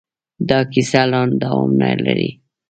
دا کیسه لا دوام لري.